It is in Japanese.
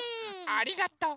ありがとう！